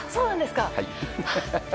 はい。